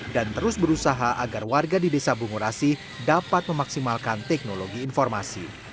dan terus berusaha agar warga di desa bungurasi dapat memaksimalkan teknologi informasi